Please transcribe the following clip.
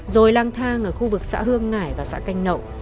rồi lang thang ở khu vực xã hương hải và xã canh nậu